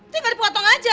tinggal dipotong aja